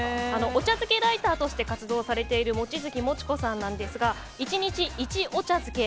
お茶漬けライターとして活動されているもちづきもちこさんなんですが１日１お茶漬け